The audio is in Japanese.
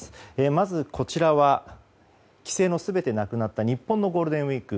まず、こちらは規制が全てなくなった日本のゴールデンウィーク。